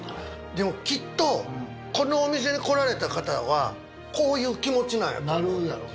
でもきっとこのお店に来られた方はこういう気持ちなんやと思う。